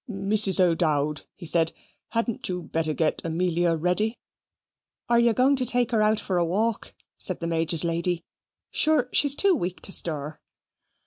"Mrs. O'Dowd," he said, "hadn't you better get Amelia ready?" "Are you going to take her out for a walk?" said the Major's lady; "sure she's too weak to stir."